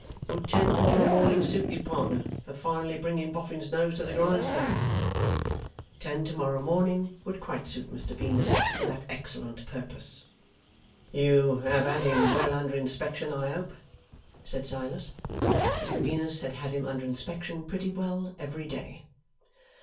Would ten to morrow morning suit you, partner, for finally bringing Boffin's nose to the grindstone?' Ten to morrow morning would quite suit Mr Venus for that excellent purpose. 'You have had him well under inspection, I hope?' said Silas. Mr Venus had had him under inspection pretty well every day.